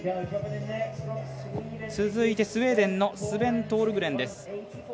続いてスウェーデンのスベン・トールグレンです。